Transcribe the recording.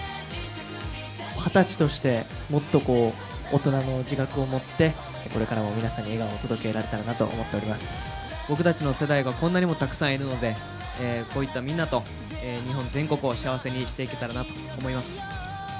二十歳として、もっと大人の自覚を持って、これからも皆さんに笑顔を届けられたらなと思って僕たちの世代がこんなにもたくさんいるので、こういったみんなと日本全国を幸せにしていけたらなと思います。